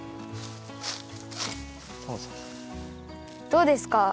どうですか？